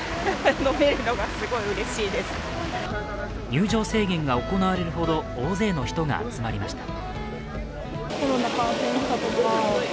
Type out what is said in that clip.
入場制限が行われるほど大勢の人が集まりました。